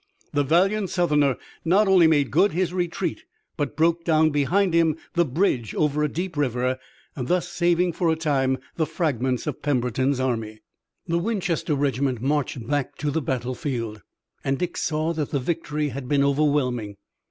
The valiant Southerner not only made good his retreat, but broke down behind him the bridge over a deep river, thus saving for a time the fragments of Pemberton's army. The Winchester regiment marched back to the battlefield, and Dick saw that the victory had been overwhelming.